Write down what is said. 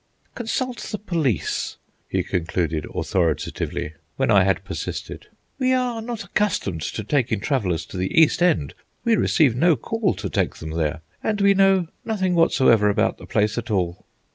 "Consult the police," he concluded authoritatively, when I had persisted. "We are not accustomed to taking travellers to the East End; we receive no call to take them there, and we know nothing whatsoever about the place at all."